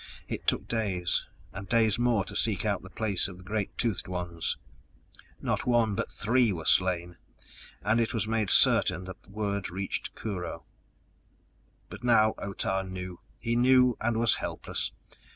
It took days. And days more to seek out the place of the great toothed ones. Not one but three were slain, and it was made certain the word reached Kurho. But now Otah knew. He knew and was helpless.